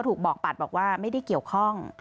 ถูกบอกปัดบอกว่าไม่ได้เกี่ยวข้อง